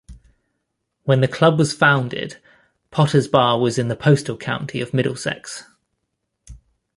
When the club was founded, Potters Bar was in the postal county of Middlesex.